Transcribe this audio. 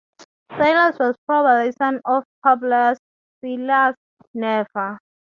Silius was probably son of Publius Silius Nerva.